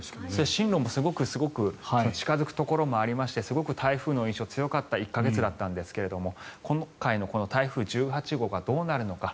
進路もすごく近付くところもありましてすごく台風の印象が強かった１か月だったんですが今回のこの台風１８号がどうなるのか。